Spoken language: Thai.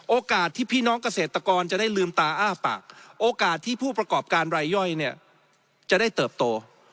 ที่พี่น้องเกษตรกรจะได้ลืมตาอ้าปากโอกาสที่ผู้ประกอบการรายย่อยเนี่ยจะได้เติบโต